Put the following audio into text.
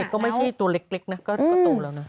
ก็ไม่ใช่ตัวเล็กนะก็โตแล้วนะ